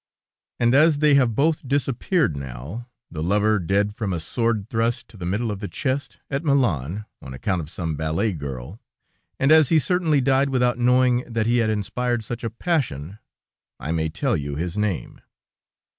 "And as they have both disappeared now, the lover dead from a sword thrust in the middle of the chest, at Milan, on account of some ballet girl, and as he certainly died without knowing that he had inspired such a passion, I may tell you his name.